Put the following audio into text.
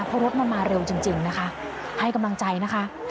เพราะรถมันมาเร็วจริงนะคะให้กำลังใจนะคะ